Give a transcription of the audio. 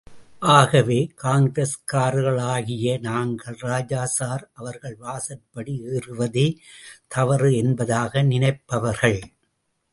ஆகவே காங்கிரஸ்காரர்களாகிய நாங்கள் ராஜா சர் அவர்கள் வாசற்படி ஏறுவதே தவறு என்பதாக நினைப்பவர்கள்.